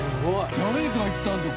誰が行ったんだよ？